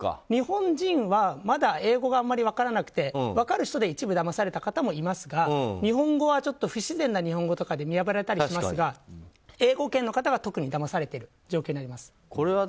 日本人はまだ英語があまり分からなくて分かる人で一部だまされた方もいますが日本語は不自然な日本語で見破られたりしますが英語圏の方が特にだまされている状況になります。